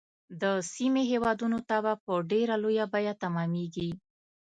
د سیمې هیوادونو ته به په ډیره لویه بیعه تمامیږي.